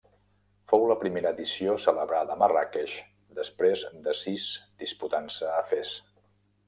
Fou la primera edició celebrada a Marràqueix després de sis disputant-se a Fes.